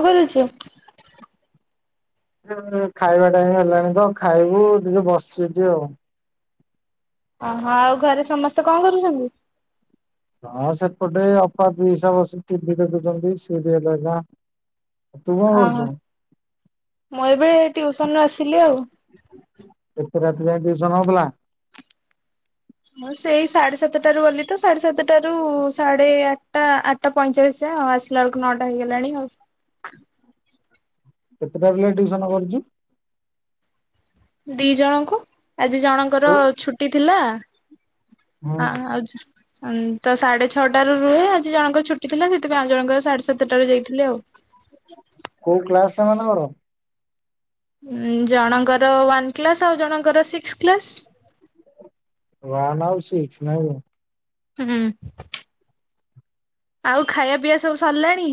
କଣ କରୁଛୁ? ଖାଇବା ଟାଇମ ହେଲାଣି ତ ଖାଇବୁ ଟିକେ ବସଚି ଏମତି ଆଉ। ଓହୋ ଆଉ ଘରେ ସମସ୍ତେ କଣ କରୁଛନ୍ତି? ହଁ ସେପଟେ ଏ ଅପା ପିଇସା ବସିକି ଟିଭି ଦେଖୁଚନ୍ତି ସିରିଏଲ ହରିକା। ଅହ ମୁଁ ଏବେ ଟିଉସନରୁ ଆସିଲି ଆଉ। ଏତେ ରାତି ଯାଏ ଟ୍ୟୁସନ ହୋଉଥୁଲା? ମୁଁ ସେଇ ସାଢେ ସାତଟାରୁ ଗଲି ତ ସାଢେ ସାତଟାରୁ ସାଢେ ଆଟଟା ଆ ଟା ପଇଁଚାଳିଶ ଯାଏଁ ଆ ଆସିଲା ବେଳୁକୁ ନଅଟା ହେଇଗଲାଣି ଆଉ। କେତେଟା ପିଲାକୁ ଟ୍ୟୁସନ କରୁଚୁ? ଦିଇ ଜଣଙ୍କୁ ଆଜି ଜଣଙ୍କର କୋଉ ଛୁଟି ଥିଲା ହୁଁ ଆ ଆଉ ଜ ଅମ୍ ତ ସାଢେ ଛଅଟାରୁ ରୁହେ ଆଜି ଜଣଙ୍କର ଛୁଟି ଥିଲା ସେଥିପାଇଁ ଆଉ ଜଣଙ୍କର ସାଢେ ସାତଟାରେ ଯାଇଥିଲେ ଆଉ। କୋଉ କ୍ଲାସ୍ ସେମାନଙ୍କର? ଉଁ ଜଣଙ୍କର ୱାନ୍ କ୍ଲାସ୍ ଆଉ ଜଣଙ୍କର ସିକ୍ସ କ୍ଲାସ୍। ଵାନ୍ ଆଉ ସିକ୍ସ୍ ନାଇଁ କି? ହୁଁ। ଆଉ ଖାଇବା ପିଇବା ସବୁ ସରିଲାଣି?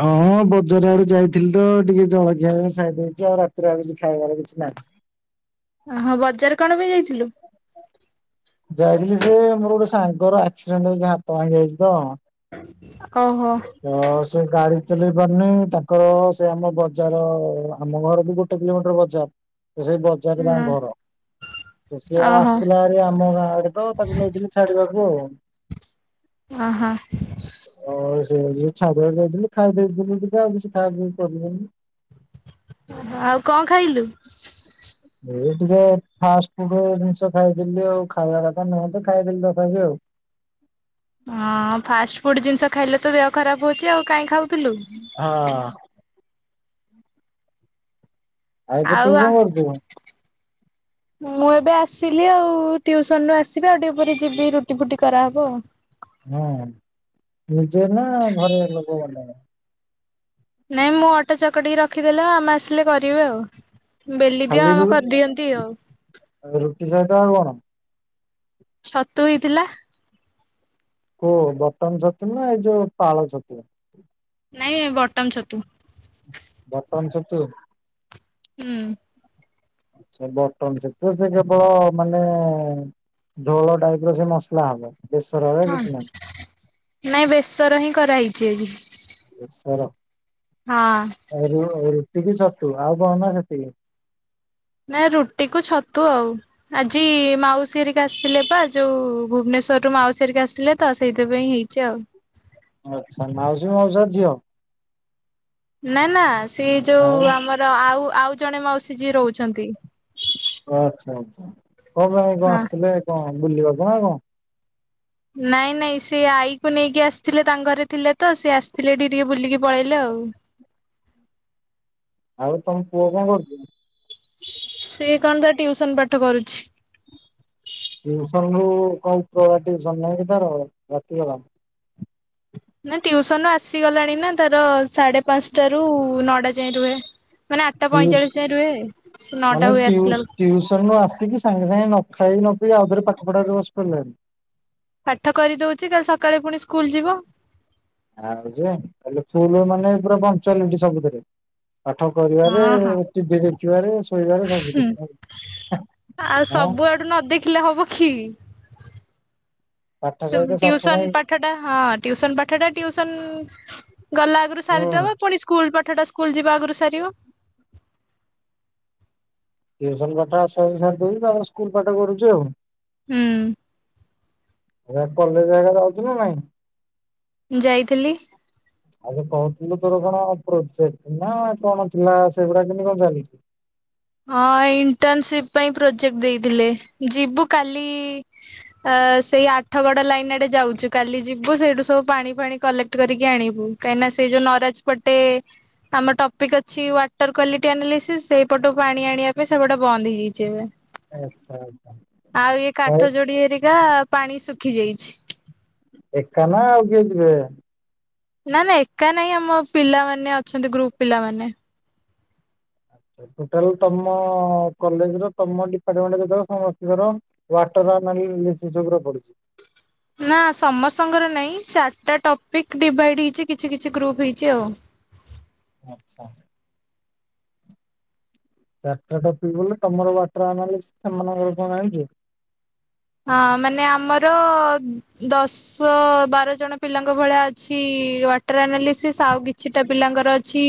ହଁ ବଜାର ଆଡ଼କୁ ଯାଇଥିଲି ତ ଟିକେ ଜଳଖିଆ ଖାଇଦେଇଛି। ଆଉ ରାତିରେ ଆଉ କିଛି ଖାଇବାର କିଛି ନାହିଁ। ଓହୋଃ। ବଜାର କଣ ପାଇଁ ଯାଇଥିଲୁ? ଯାଇଥିଲି ସେ ମୋର ଗୋଟେ ସାଙ୍ଗର ଆକ୍ସିଡେଣ୍ଟ ହେଇକି ହାତ ଭାଙ୍ଗି ଯାଇଛି ତ ଓହୋଃ। ତ ସେ ଗାଡ଼ି ଚଲେଇ ପାରୁନି ତାଙ୍କର ସେ ଆମ ବଜାର ଆମ ଘର ବି ଗୋଟେ କିଲୋମିଟର ବଜାର ତ ସେଇ ବଜାରରେ ତାଙ୍କ ହଁ ଘର। ସିଏ ଓହୋ ଆସିଥିଲା ଭାରି ଆମ ଗାଁ ଆଡ଼େ। ତ ତାକୁ ନେଇଥିଲି ଛାଡ଼ିବାକୁ ଆଉ। ଅଃ ହଃ। ଆଉ ସେ ଯ ଛାଡ଼ିବାକୁ ଯାଇଥିଲି ଖାଇ ଦେଇେଥିଲି ଟିକେ ଆଉ କିଛି ଖାଇବାକୁ ପଡ଼ିବନି। ଆଉ କଣ ଖାଇଲୁ? ଏଇ ଟିକେ ଫାଷ୍ଟ ଫୁଡ୍ ଜିନିଷ ଖାଇଥିଲି ଆଉ। ଖାଇବା କଥା ନୁହେଁ ଖାଇଦେଲିି ତଥାପି ଆଉ। ହଁ ଫାଷ୍ଟ ଫୁଡ୍ ଜିନିଷ ଖାଇଲେ ତ ଦେହ ଖରାପ ହଉଛି, ଆଉ କାହିଁ ଖାଉଥିଲୁ। ହଁ। ଏବେ ତୁ ଆଉ କଣ ଆ କରୁଛୁ? [inaudible] ମୁଁ ଏବେ ଆସିଲି ଆଉ ଟିଉସନ ରୁ ଆସିବି ଆଉ ଟିକେ ପରେ ଯିବି ରୁଟି ଫୁଟି କରାହେବ ଆଉ। ହଁ ନିଜେ ନା ଘରେ ଲୋକ ନାଇଁ ମୁଁ ଅଟା ଚକଟି କି ରଖିଦେଲ ମାମା ଆସିଲେ କରିବେ ଆଉ। ବେଲି ଦିଏ ଖାଲି ରୁ ମାମା କରିଦିଅନ୍ତି ଆଉ। ରୁଟି ସହିତ ଆଉ କଣ? ଛତୁ ହେଇଥିଲା। କୋଉ ବଟନ ଛତୁ ନା ଏଇ ଯୋଉ ପାଳ ଛତୁ? ନାଇଁ ବଟନ ଛତୁ। ବଟନ୍ ଛତୁ? ହୁଁ। ସେ ବଟନ ଛତୁ ସେ କେବଳ ମାନେ ଝୋଳ ଟାଇପ ର ସେ ମସଲା ହବ। ବେସରରେ ହଁ, କିଛି ନାହିଁ ନାଇଁ ବେସର ହିଁ କରାହେଇଛି ଆଜି। ବେସର? ହଁ। ରୁଟିି କି ଛତୁ ଆଉ କଣ ନା ସେତିକି? ନା ରୁଟି କୁ ଛତୁ ଆଉ। ଆଜି ମାଉସୀ ହେରିକା ଆସିଥିଲେ ବା ଯୋଉ ଭୁବନେଶ୍ଵରରୁୁ ମାଉସୀ ହେରିକା ଆସିଥିଲେ। ତ ସେଇଥିପାଇଁ ହେଇଛି ଆଉ। ଆଚ୍ଛା ମାଉସୀ, ମାଉସୀ, ଝିଅ? ନା ନା ସେ ଯୋଉ ଆଉ ଆମର ଆଉ ଆଉ ଜଣେ ମାଉସୀ ଯିଏ ରହୁଛନ୍ତି। ଆଚ୍ଛା ଆଚ୍ଛା। କଣ ପାଇଁ କଣ ହଁ ଆସିଥିଲେ କଣ ବୁଲିବାକୁ ନା କଣ? ନାଇଁ ନାଇଁ ସେ ଆଈକୁ ନେଇକି ଆସିଥିଲେ ତାଙ୍କ ଘରେ ଥିଲେ ତ, ସେ ଆସିଥିଲେ ଏଠିକି ଟିକେ ବୁଲିକି ପଳେଇଲେ ଆଉ। ଆଉ ତମ ପୁଅ କଣ କରୁଛି? ସିଏ କଣ ତା ଟ୍ୟୁସନ ପାଠ କରୁଛି। ଟିଉସନ ରୁ କଣ ଉପର ଟ୍ଯୁସନ ନାହିଁକି ତର ରାତି ବେଳା? ନା ଟ୍ୟୁସନ ରୁ ଆସିଗଲାଣି ନା ତାର ସାଢ଼େ ପାଞ୍ଚଟା ରୁ ନଅଟା ଯାଏଁ ରୁହେ। ମାନେ ଆଠଟା ଟିଉସ ପଇଁଚାଳିଶ ଯାଏଁ ରୁହେ ସେ ନଅଟା ହୁଏ ଆସିଲା ବେଳକୁ। ଟ୍ୟୁସନ ରୁ ଆସିକି ସାଙ୍ଗେ ସାଙ୍ଗେ ନ ଖାଇକ ନ ପି ଆଉଥରେ ପାଠ ପଢ଼ାରେ ବସି ପାଡ଼ିଲାଣି? ପାଠ କରିଦଉଛି କାଲି ସକାଳେ ପୁଣି ସ୍କୁଲ ଯିବ। ଆଉ ଯେ [unintelligible] ମାନେ ପୁରା ପକ୍ଚୁଆଲିଟି ସବୁଥିରେ। ପାଠ କରିବାରେ, ହଁ ହଁ ଟିଭି ଦେଖିବାରେ ଶୋଇବାରେ ସବୁଥିରେ। ଆଉ ହଁ ସବୁଆଡୁ ନ ଦେଖିଲେ ହବ କି। ପାଠ ସହିତ ସାଠ ଟ୍ୟୁସନ୍ ନାଇଁ ପାଠ ହଁ ଟିୟୁସନ୍ ପାଠଟାଟି ଟିୟୁସନ୍ ଗଲା ଆଗରୁ ହୁଁ ସାରିଦବା ପୁଣି ସ୍କୁଲ ପାଠଟା ସ୍କୁଲ ଯିବା ଆଗରୁ ସାରିବ। ଟିୟୁସନ୍ ପାଠଟା ସବୁ ସାରିଦଉଚି ତାପରେ ସ୍କୁଲ ପାଠ କରୁଚି ଆଉ। ହୁଁ। ଏ ରା କଲେଜ ହେରା ଯାଉଛୁ ନା ନାଇଁ। ଯାଇଥିଲି। ଆଗେ କହୁଥିଲୁ ତୋର କଣ ପ୍ରୋଜେକ୍ଟ ନା କଣ ଥିଲା ସେଗୁଡା କେମିତି କଣ ଚାଲିଛି। ହଁ ଇଣ୍ଟର୍ନସିପ୍ ପାଇଁ ପ୍ରୋଜେକ୍ଟ ଦେଇଥିଲେ ଯିବୁ କାଲି ଆ ସେଇ ଆଠଗଡ ଲାଇନ୍ ଆଡେ ଯାଉଚୁ କାଲି ଯିବୁ ସେଇଠୁ ସବୁ ପାଣି ଫାଣି କଲେକ୍ଟ କରିକି ଆଣିବୁ। କାହିଁକିନା ସେ ଯୋଉ ନରଜ୍ ପଟେ ଆମର ଟପିକ୍ ଅଛି ୱାଟର କ୍ଵାଲିଟି ଆନାଲିସିସ୍ ସେଇପଟୁ ପାଣି ଆଣିବା ପାଇଁ ସେ ବାଟ ବନ୍ଦ ହେଇଯାଇଛି ଏବେ। ଆଚ୍ଛା ଆଚ୍ଛା ଆଉ ଏଇ କାଠ ଯୋଡି ହେରିକା ପାଣି ଶୁଖି ଯାଇଚି। ଏକା ନା ଆଉ କିଏ ଯିବେ? ନା ନା ଏକା ନାଇଁ ଆମ ପିଲାମାନେ ଅଛନ୍ତି ଗ୍ରୁପ ପିଲାମାନେ। ଟୋଟାଲ୍ ତମ କଲେଜ୍ ର ତମ ଡିପାର୍ଟମେଣ୍ଟ ଯେତେକ ସମସ୍ତିଙ୍କର ୱାଟର ନାଲି ମିଶି ଯୋଗୁରା ପଡିଚି। ନା ସମସ୍ତଙ୍କର ନାଇଁ ଚାରିଟା ଟପିକ୍ ଡିଭାଇଡ ହେଇଛି କିଛି କିଛି ଗ୍ରୁପ୍ ହେଇଛି ଆଉ। ଆଛା। ଚାରିଟା ଟପି ଗଲେ ତମର ୱାଟର ଆନାଲିଶ୍ ସେମାନଙ୍କର କଣ ଯାଣିଚୁ? ହଁ ମାନେ ଆମର ଦଶ ବାର ଜଣ ପିଲାଙ୍କ ଭଳିଆ ଅଛି ୱାଟର ଆନାଲିସିସ୍ ଆଉ ବି କିଛିଟା ପିଲାଙ୍କର ଅଛି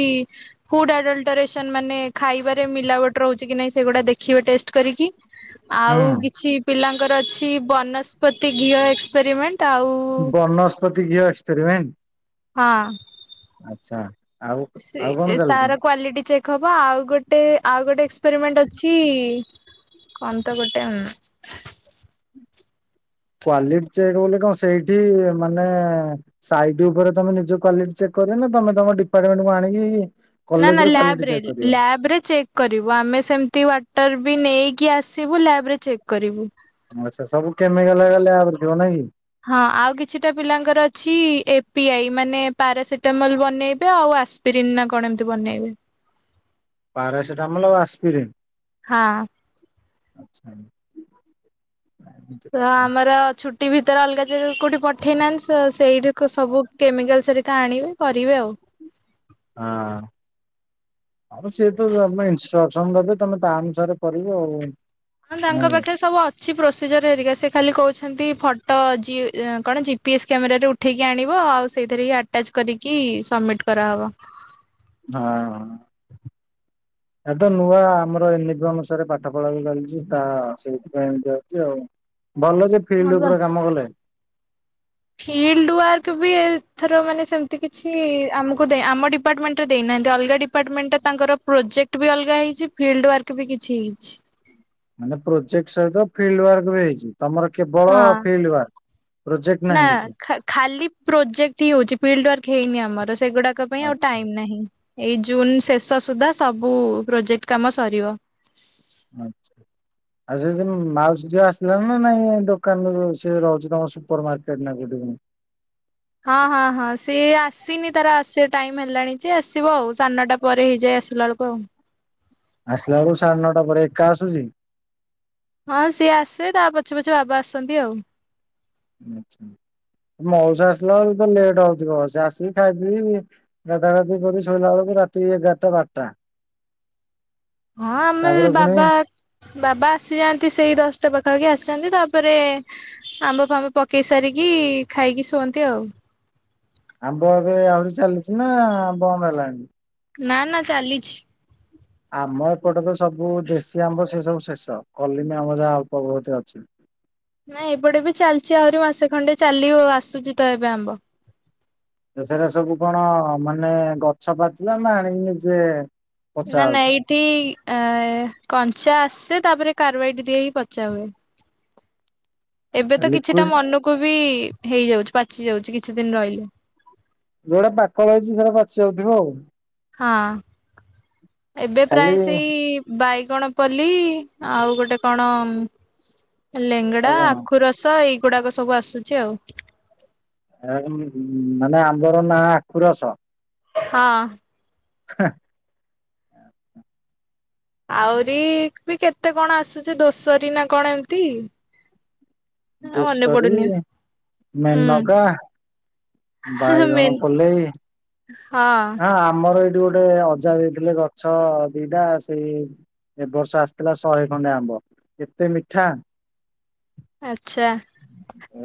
ଫୁଡ ଆଡଲଟରେସନ୍ ମାନେ ଖାଇବାରେ ମିଲାବଟ ରହୁଚି କି ନାହିଁ ସେଗୁଡ଼ା ଦେଖିବେ ଟେଷ୍ଟ କରିକି ଆଉ ହୁଁ। କିଛି ପିଲା ତାଙ୍କର ଅଛି ବନସ୍ପତି ଘିଅ ଏକ୍ସପେରିିମେଣ୍ଟ ଆଉ ପତିି ଘିଅ ଏକ୍ସେରିମେଣ୍ଟ। ହଁ। ଆଚ୍ଛା। ଆଉ ସେ ଆଉ କଣ ଚାଲିଛି? ତାର କ୍ଵାଲିଟି ଚେକ୍ ହବ ଆଉ ଗୋଟେ ଆଉ ଗୋଟେ ଏକ୍ସପେରିମେଣ୍ଟ ଅଛି। କଣନ୍ତ ଗୋଟେ କ୍ଵାଲିଟି ଚେକ୍ ବୋଲି କଣ ସେଇଟି ମାନେ ସାଇଟ୍ ଉପରେ ତମେ ନିଜ କ୍ୟୁଲିଟି ଚେକ୍ କରିବ ନା ତମେ ତମ ଡିପାର୍ଟମେଣ୍ଟକୁ ଆଣିକି ନା ନା କଲେଜରେ କ୍ୱାଲିଟି ଚେକ୍ ଲ୍ୟାବ୍ରେରେ କରିବ? ଲ୍ୟାବ୍ରେରେ ଚେ କରିବୁ ଆମେ ସେମିତି ୱାଟର ବି ନେଇକି ଆସିବୁ ଲ୍ୟାବ୍ରେରେ ଚେକ୍ କରିବୁ। ଆଚ୍ଛା ସବୁ କେମିକାଲ୍ ହୋଇଗଲେ ଆଉ ଯଣେ ହଁ ଆଉ କିଛିଟା ପିଲାଙ୍କର ଅଛି ଏ ପି ଆଇ ମାନେ ପାରାସିଟାମଲ ବନେଇବେ ଆଉ ଆ ପ୍ରିରିନା କଣ ଏମିତି ବନେଇବେ। ପାରାସିଟାମଲ ଓ ଆସ୍ପିରେନ୍। ହଁ। ଆଚ୍ଛା ହୁ। ତ ଆମର ଛୁ ଟିଭି ତାର ଅଲଗା ଯୋଉ କେଉଁଠି ପଠେଇନାହାନ୍ତି ଶା ସେଇଠୀକୁ ସବୁ କେମିକାଲସରିକା ଆଣିବେ କରିବେ ଆଉ। ହଁ। ଅବସ୍ୟ ସିଏ ତ ତମେ ଇନଷ୍ଟ୍ରକ୍ସନ ଦେବେ ତମେ ତା ଅନୁସାରେ କରିବେ ଆଉ। ମାନେ ତାଙ୍କ ନାଇଁ କି? ପାଖରେ ସବୁ ଅ କିଛି ପ୍ରୋସିଜର ହେରିକା ସେ ଖାଲି କହୁଛନ୍ତି ଫଟୋ ଜି କଣ ଜିପି ଏସ୍ କ୍ୟାମେରାରେ ଉ ଉଠେଇକି ଆଣିବ ଆଉ ସେଇଥିରେ ଆଟାଚ କରିକି ସମିଟ୍ କରାହେବ। ହଁ ହଁ। ଏ ତ ନୂଆ ଆମର ୟୁନିଫର୍ମ ଅନୁସାରେ ପାଠ ପଢ଼ା ବି ଚାଲିଛି ତା ସେଇଥିପାଇଁ ଏମିତି ହୋଉଚି ଆଉ। ଭଲ ଯେ ହଁ ଫିଲ୍ଡ ବା। ଉପରେ କାମ କଲେ। ଫିଲ୍ଡ ୱାର୍କ ବି ଏଥର ମାନେ ସେମିତି କିଛି ଆମକୁ ଦେ ଆମ ଡିପାର୍ଟମେଣ୍ଟରେ ଦେଇନାହାନ୍ତି ଅଲଗା ଡି ଡିପାର୍ଟମେଣ୍ଟ ଟା ତାଙ୍କର ପ୍ରୋଜେକ୍ଟ ବି ଅଲଗା ହେଇଛି। ଫିଲ୍ଡ ୱାର୍କ ବି କିଛି ହେଇଛି। ମାନେ ପ୍ରୋଜେକ୍ଟ ସହିତ ଫିଲ୍ଡ ୱାର୍କ ବି ହେଇଛି। ତମର କେବଳ ହଁ। ଫିଲ୍ଡ ୱାର୍କ ପ୍ରୋଜେକ୍ଟ ନାହିଁ କିଛି? ଖା ଖାଲି ପ୍ରୋଜେକ୍ଟ ହିଁ ହଉଛି ଫିଲ୍ଡ ୱାର୍କ ହେଇନି ଆମର। ସେଗୁଡାକ ପାଇଁ ଆଉ ଆଚ୍ଛା ଟାଇମ ନାହିଁ। ଏଇ ଜୁନ ଶେଷ ସୁଦ୍ଧା ସବୁ ପ୍ରୋଜେକ୍ଟ କାମ ସରିବ। ଆଛା। ଆଉ ସେ ସେ ମାଉସୀ ଝିଅ ଆସିଲାଣୀ ନା ନାଇଁ ଦୋକାନରେ ରହୁଛି ସେ ରହୁଛି ତମ ସୁପର ମାର୍କେଟ ନା କୋଉଠିି କଣ? ହଁ ହଁ ହଁ ସିଏ ଆସିନି ତାର ଆସିବା ଟାଇମ୍ ହେଲାଣି ଯେ ଆସିବ ଆଉ ସାଢେ ନଅଟା ପରେ ହେଇଯାଏ ଆସିଲା ବେଳକୁ ଆଉ। ଆସିଲା ବେଳୁ ସାଢେ ନଅଟା ପରେ ଏକା ଆସୁଛି? ହଁ ସିଏ ଆସେ ତା ପଛେ ପଛେ ବାବା ଆସନ୍ତି ଆଉ। ଆଚ୍ଛା ମୋଉସା ଆସିଲା ବେଳକୁ ତ ଲେଟ୍ ହଉଥିବ ସେ ଆସିକି ଖାଇ ପିଇକି ଗାଧା ଗାଧି କରି ଶୋଇଲା ବେଳକୁ ରାତି ଏଗାରଟା ବାରଟା। ହଁ ଆମେ ତାପରେ ପୁଣି ବାବା ବାବା ଆସିଯାଆନ୍ତି ସେଇ ଦଶଟା ପାଖାପାଖି ଆସନ୍ତି ତାପରେ ଆମ୍ବ ଫାମ୍ବ ପକେଇ ସାରିକି ଖାଇକି ଶୁଅନ୍ତି ଆଉ। ଆମ୍ବ ଏବେ ଆହୁରି ଚାଲିଛି ନା ବନ୍ଦ ହେଲାଣି? ନା ନା ଚାଲିଛି। ଆମ ଏପଟେ ତ ସବୁ ଦେଶୀ ଆମ୍ବ ସେ ସବୁ ଶେଷ କଲିମି ଆମ୍ବ ଯାହା ଅଳପ ବହୁତେ ଅଛି। ନାଇଁ ଏପଟେ ବି ଚାଲିଛି ଆହୁରି ମାସେ ଖଣ୍ଡେ ଚାଲିିବ ଆସୁଛି ତ ଏବେ ଆମ୍ବ। ସେପଟେ ସବୁ କଣ ମାନେ ଗଛ ପାଚିଲା ନା ଆଣିକିନି ନିଯେ ନା ନା ଏଇଠି ଆ କଞ୍ଚା ଆସେ ତାପରେ କାର୍ବାଇଟି ଦିଆ ହେଇକି ପଚା ହୁଏ। ଏବେ ଆଚ୍ଛା ତ କିଛିଟା ଲିକୁଇଡ ମନକୁ ବି ହେଇଯାଉଛି ପାଚି ଯାଉଛି କିଛି ଦିନ ରହିଲେ। ଯୋଉଟା ପାକଳ ହେଇଛି ସେଟା ପାଚି ଯାଉଥିବ ଆଉ। ହଁ ଏବେ ପ୍ରାୟ ଖାଲି ସେଇ ବାଇଗଣ ପଲ୍ଲୀ ଆଉ ଗୋଟେ କଣ ଲେଙ୍ଗଡା ଆଉ କଣ ଆଖୁ ରସ ଏଇଗୁଡାକ ସବୁ ଆସୁଛି ଆଉ। ମାନେ ଆମ୍ବର ନାଁ ଆଖୁରସ। ହଁ। ହେଁ। ଆହୁରି ବି କେତେ କଣ ଆସୁଛି ଦୋଷରି ନା କଣ ଏମିତି। ମନେ ଦୋଷରୀ ପଡୁନି ମେନକା। ହୁଁ ବାଇଗଣ ମେନ୍ ପଲେଇ। ହଁ। ହଁ ଆମର ଏଇଠି ଗୋଟେ ଅଜା ଦେଇଥିଲେ ଗଛ ଦିଟା ସେଇ ଏବ ବର୍ଷ ଆସିଥିଲା ଶହେ ଖଣ୍ଡେ ଆମ୍ବ ଏତେ ମିଠା। ଆଚ୍ଛା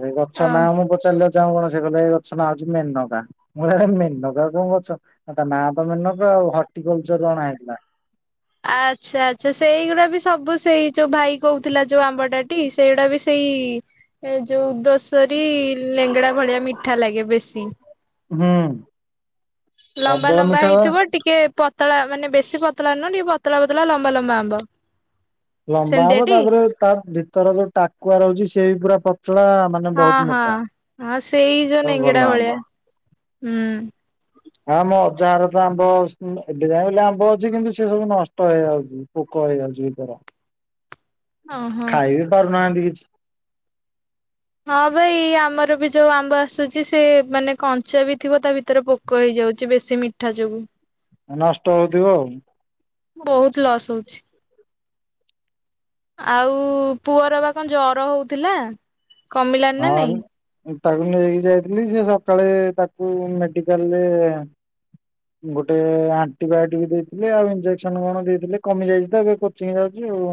ଏ ଗଛ ଓ ନାଁ ମୁଁ ପଚାରିଲି ଜା ଆମକୁ କଣ ସେ କହିଲେ ଗଛ ନାଁ ହେଉଛି ମେନକା। ମୁଁ କହିଲି ମେନକା କୋଉ ଗଛ। ତା ନାଁ ତ ମେନକା ଆଉ ହର୍ଟିକଲଚର ଅଣା ହେଇଥିଲା।। ଆଚ୍ଛା ଆଚ୍ଛା ସେଇଗୁଡା ବି ସବୁ ସେଇ ଯୋଉ ଭାଇ କହୁଥିଲା ଯୋଉ ଆମ୍ବଟାଟି ସେଇଗୁଡା ବି ସେଇ ଏ ଯୋଉ ଦୋଷରୀ ଲେଙ୍ଗଡା ଭଳିଆ ମିଠା ଲାଗେ ବେଶୀ। ହୁଁ। ଲମ୍ବା ପ୍ରବଳ ଲମ୍ବା ମିଠା ବା। ହେଇଥିବ ଟିକେ ପତଳା ମାନେ ବେଶୀ ପତଳା ନୁହଁ ଟିକେ ପତଳା ପତଳା ଲମ୍ବା ଲମ୍ବା ଆମ୍ବ। ଲମ୍ବା ହବ ସେମିତିଆଟି ତାପରେ ତା ଭିତର ଯୋଉ ଟାକୁଆ ରହୁଛି ସେ ପୁରା ପତଳା ମାନେ ହଁ ବହୁତ ମୋଟା। ହଁ ହଁ ସେଇ ଯୋଉ ସବୁ ଭଲ ନେଙ୍ଗେଡା ଆମ୍ବ। ଭଳିଆ ହୁଁ ହଁ ମୋ ଅଜାହାର ତ ଆମ୍ବ ଏବେ ଯାଏଁ ବୋଲି ଆମ୍ବ ଅଛି କିନ୍ତୁ ସେ ସବୁ ନଷ୍ଟ ହେଇଯାଉଛି। ପୋକ ହେଇଯାଉଛି ଏଇଥର। ଓହୋ। ଖାଇବିି ପାରୁନାହାନ୍ତି କିଛି। ହଁ ଭାଇ ଆମର ବି ଯୋଉ ଆମ୍ବ ଆସୁଛି ସେ ମାନେ କଞ୍ଚା ବି ଥିବ ତା ଭିତରେ ପୋକ ପୋକ ହେଇ ଯାଉଛି ବେଶୀ ମିଠା ଯୋଗୁ। ନଷ୍ଟ ହଉଥିବ ଆଉ? ବହୁତ ଲସ୍ ହଉଛି। ଆଉ ପୁଅର ବା କଣ ଜର ହଉଥିଲା? କମିଲାଣି ନା ନାଇଁ ହଁ ତାକୁ ନେଇକି ଯାଇଥିଲି ସେ ସକାଳେ ତାକୁ ମେଡିକାଲରେ ଗୋଟେ ଆଣ୍ଟିବାୟୋଟିକ ଦେଇଥିଲେ, ଆଉ ଇଞ୍ଜେକ୍ସନ କଣ ଦେଇଥିଲେ କମି ଯାଇଛି ତ ଏବେ କୋଚିଂ ଯାଉଛି ଆଉ,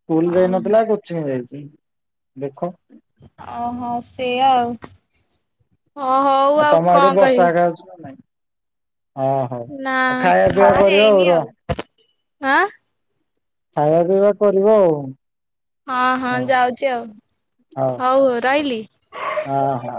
ସ୍କୁଲ ଅହ। ଯାଇନଥିଲା କୋଚିଂ ଯାଇଛି, ଦେଖ। ଓହୋ ସେଇଆ ଆଉ, ହଉ ହଉ ଆଉ କଣ କହିବି? ନା ନାଇଁ। ଓ ହୋ ନା ଆଉ ଖାଇବା ନା ପିଇବା କରିବା ଆଉ ହେଇନି ରହ। ଆଁ ଖାଇବା ପିଇବା କରିବ ଆଉ। ହଁ ହଁ ହଉ ଯାଉଛି ଆଉ, ହଉ ରହିଲି। ହଁ ହଁ।